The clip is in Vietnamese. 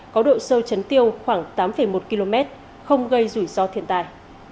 có độ sâu chấn tiêu khoảng tám một km không gây rủi ro thiên tai